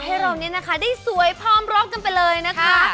ให้เราเนี่ยนะคะได้สวยพร้อมรบกันไปเลยนะคะ